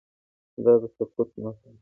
دا د سقوط نښه ده.